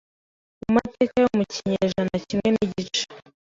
ku mateka yo mu kinyejana Kimwe nigice